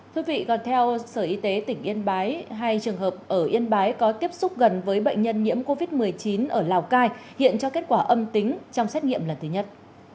thưa quý vị còn theo sở y tế tỉnh yên bái hai trường hợp ở yên bái có tiếp xúc gần với bệnh nhân nhiễm covid một mươi chín ở lào cai hiện cho kết quả âm tính trong xét nghiệm lần thứ nhất